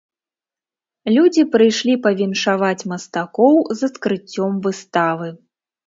Людзі прыйшлі павіншаваць мастакоў з адкрыццём выставы.